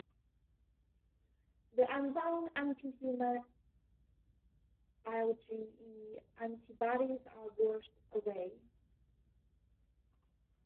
The unbound anti-human IgE antibodies are washed away.